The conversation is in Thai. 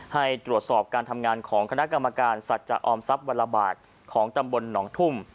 ให้ตรวจสอบการทำงานของคณะกรรมการสัจจะออมทรัพย์วันละบาทของตำบลหนองทุ่ม